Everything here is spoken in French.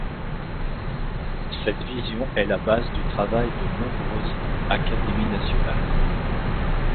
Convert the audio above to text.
Cette vision est la base du travail de nombreuses Académies Nationales.